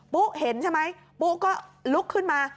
เห็นใช่ไหมปุ๊ก็ลุกขึ้นมา